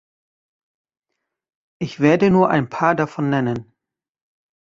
Ich werde nur ein paar davon nennen.